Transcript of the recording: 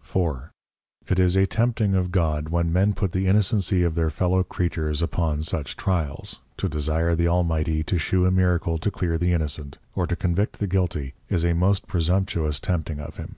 4. It is a tempting of God when Men put the Innocency of their Fellow Creatures upon such tryals; to desire the Almighty to shew a Miracle to clear the Innocent, or to convict the Guilty is a most presumptuous tempting of him.